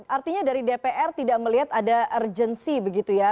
artinya dari dpr tidak melihat ada urgency begitu ya